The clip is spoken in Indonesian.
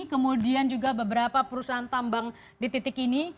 kemudian juga beberapa perusahaan tambang di titik ini